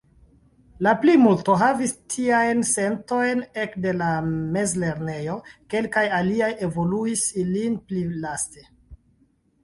La plimulto havis tiajn sentojn ekde la mezlernejo; kelkaj aliaj evoluis ilin pli laste.